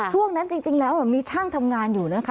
ช่วงนั้นจริงแล้วมีช่างทำงานอยู่นะคะ